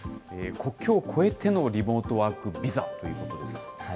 国境を越えてのリモートワークビザということです。